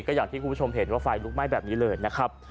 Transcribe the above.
ก็อย่างที่คุณผู้ชมเห็นว่าไฟลุกไหม้แบบนี้เลยนะครับ